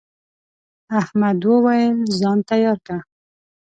احمد وويل: ځان تیار که.